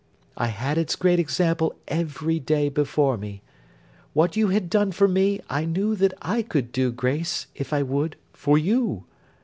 I had its great example every day before me. What you had done for me, I knew that I could do, Grace, if I would, for you.